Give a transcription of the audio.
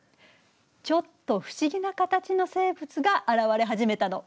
ちょっと不思議な形の生物が現れ始めたの。